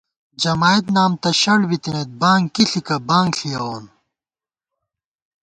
جمائد نام تہ شڑ بِتَنَئیت بانگ کی ݪِکہ، بانگ ݪیَوون